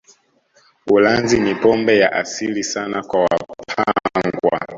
Ulanzi ni pombe ya asili sana kwa Wapangwa